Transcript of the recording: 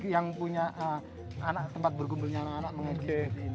yang punya tempat berkumpulnya anak anak